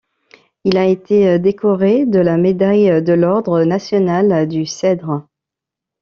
Il a été décoré de la médaille de l'Ordre national du Cèdre.